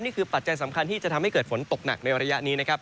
ปัจจัยสำคัญที่จะทำให้เกิดฝนตกหนักในระยะนี้นะครับ